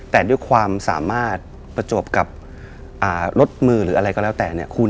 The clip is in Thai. แต่ด้วยความสามารถประจวบกับรถมือหรืออะไรก็แล้วแต่เนี่ย